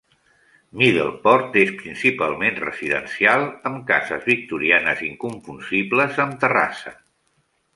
Middleport és principalment residencial, amb cases victorianes inconfusibles amb terrassa.